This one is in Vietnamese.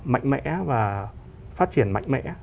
mạnh mẽ và phát triển mạnh mẽ